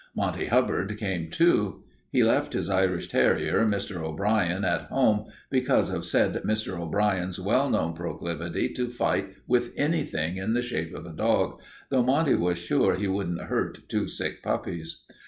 Monty Hubbard came, too. He left his Irish terrier, Mr. O'Brien, at home because of said Mr. O'Brien's well known proclivity to fight with anything in the shape of a dog, though Monty was sure he wouldn't hurt two sick puppies.